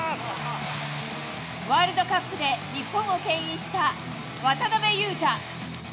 ワールドカップで日本をけん引した渡邊雄太。